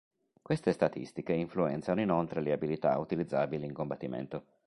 Queste statistiche influenzano inoltre le abilità utilizzabili in combattimento.